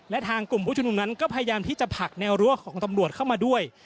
และทางกลุ่มผู้ชมนุมนั้นก็พยายามที่จะผลักแนวรั้วของตำรวจเข้ามาด้วย